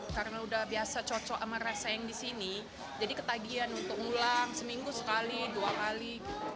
karena udah biasa cocok sama rasa yang disini jadi ketagihan untuk ulang seminggu sekali dua kali